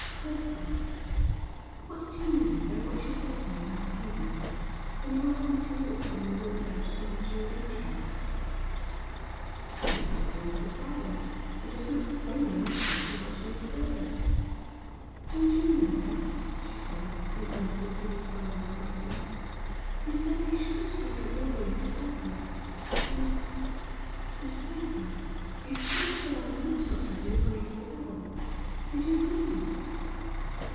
"Percy! what did you mean by what you said to me last evening when you asked me to look when you worked out that matter of interest?" He looked at her with surprise, and his look plainly asked her to what she referred. "Don't you remember?" she said, in answer to his silent question. "You said I shouldn't have you always to help me; and and Percy you spoke as though I might not have you a great while. Did you mean that?"